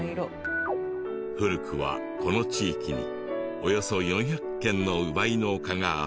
古くはこの地域におよそ４００軒の烏梅農家があったが。